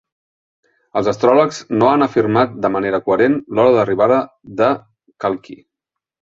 Els astròlegs no han afirmat de manera coherent l'hora d'arribada de Kalki.